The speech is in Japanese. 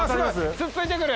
つっついて来る。